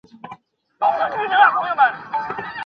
印度轮叶戟为大戟科轮叶戟属下的一个种。